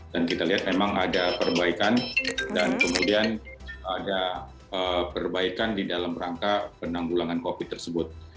dan kita lihat memang ada perbaikan dan kemudian ada perbaikan di dalam rangka penanggulangan covid tersebut